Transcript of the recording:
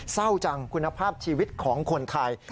เศร้าจังคุณภาพชีวิตของคนไทย